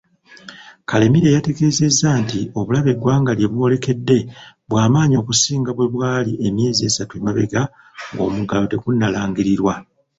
Karemire yategeezezza nti obulabe eggwanga lyebwolekedde bwamaanyi okusinga bwebwali emyezi esatu emabega ng'omuggalo tegunnalangirirwa.